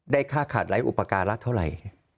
ค่าขาดไร้อุปการะเท่าไหร่